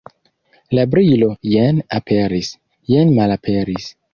La brilo jen aperis, jen malaperis.